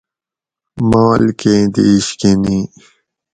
مال کیں دیش کہ نی